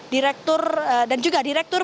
direktur dan juga direktur